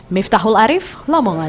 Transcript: miftahul arief lomongan